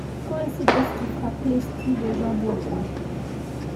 Coïncidence qui frappe l'esprit de Jean Bourgoint.